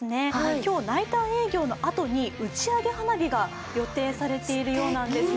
今日、ナイター営業のあとに打ち上げ花火が予定されているそうなんです。